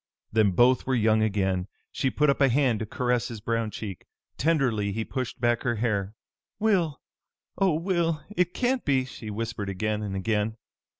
Then both were young again. She put up a hand to caress his brown cheek. Tenderly he pushed back her hair. "Will! Oh, Will! It can't be!" she whispered again and again.